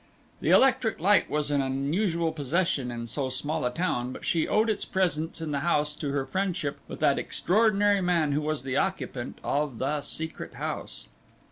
The electric light was an unusual possession in so small a town, but she owed its presence in the house to her friendship with that extraordinary man who was the occupant of the Secret House.